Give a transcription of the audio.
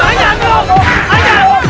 hajar hajar aku